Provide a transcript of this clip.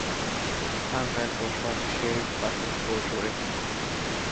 টাঙ্গাইল পৌরসভা দেশের প্রাচীন পৌরসভার একটি।